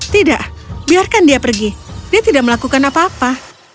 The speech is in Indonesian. tidak biarkan dia pergi dia tidak melakukan apa apa